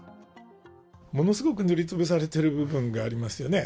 ものすごく塗りつぶされてる部分がありますよね。